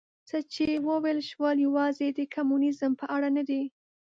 څه چې وویل شول یوازې د کمونیزم په اړه نه دي.